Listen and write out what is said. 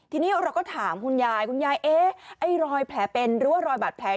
ทีนี้เราก็ถามคุณยายคุณยายเอ๊ะไอ้รอยแผลเป็นหรือว่ารอยบาดแผล